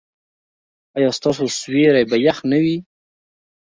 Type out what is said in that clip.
ایا ستاسو سیوري به يخ نه وي؟